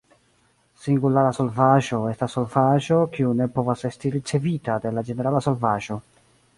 Singulara solvaĵo estas solvaĵo kiu ne povas esti ricevita de la ĝenerala solvaĵo.